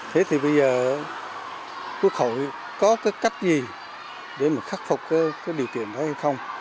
thế thì bây giờ quốc hội có cái cách gì để mà khắc phục cái điều kiện đó hay không